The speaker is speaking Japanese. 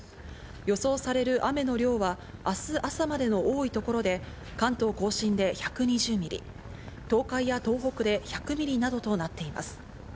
予想される雨の量は明日朝までの多い所で関東甲信で１２０ミリ、東海や東北で１００ミリなどとなっています。